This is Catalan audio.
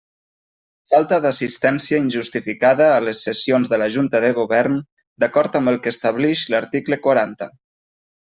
Falta d'assistència injustificada a les sessions de la Junta de Govern, d'acord amb el que establix l'article quaranta.